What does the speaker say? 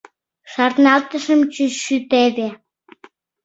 — Шарналтышым, чӱчӱ, теве...